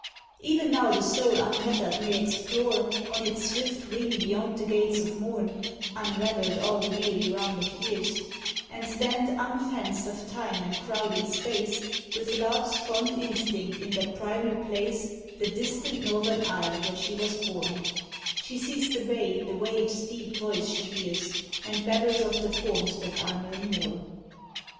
Even now the soul unfettered may explore On its swift wing beyond the gates of morn, (Unravelled all the weary round of years) And stand, unfenced of time and crowding space, With love's fond instinct in that primal place, The distant northern isle where she was born; She sees the bay, the waves' deep voice she hears, And babbles of the forms that are no more.